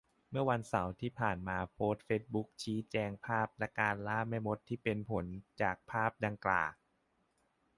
เมื่อวันเสาร์ที่ผ่านมาโพสต์เฟซบุ๊กชี้แจงภาพและการ ล่าแม่มด ที่เป็นผลจากภาพดังกล่า